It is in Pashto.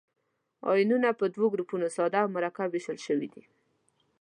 آیونونه په دوه ګروپو ساده او مرکب ویشل شوي دي.